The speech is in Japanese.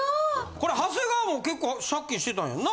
これ長谷川も結構借金してたんやな？